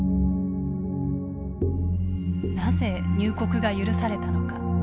なぜ入国が許されたのか。